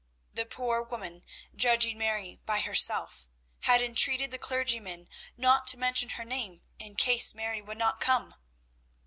The poor woman, judging Mary by herself, had entreated the clergyman not to mention her name in case Mary would not come.